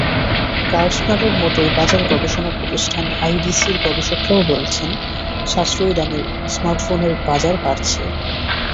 গার্টনারের মতোই বাজার গবেষণা প্রতিষ্ঠান আইডিসির গবেষকেরাও বলছেন, সাশ্রয়ী দামের স্মার্টফোনের বাজার বাড়ছে।